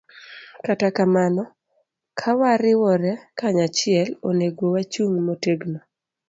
Kata kamano, ka wariwore kanyachiel, onego wachung ' motegno